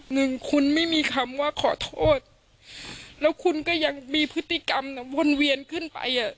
หนึ่งคุณไม่มีคำว่าขอโทษแล้วคุณก็ยังมีพฤติกรรมวนเวียนขึ้นไปอ่ะ